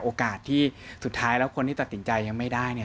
โอกาสที่สุดท้ายแล้วคนที่ตัดสินใจยังไม่ได้เนี่ย